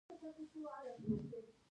د کیفیت خبرې مه کوه، کیفیت وښیه.